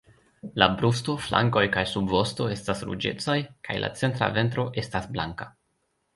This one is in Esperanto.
La brusto, flankoj kaj subvosto estas ruĝecaj, kaj la centra ventro estas blanka.